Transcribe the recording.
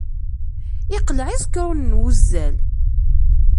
Iqleɛ iẓekrunen n wuzzal.